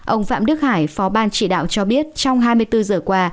ông phạm đức hải phó ban chỉ đạo cho biết trong hai mươi bốn giờ qua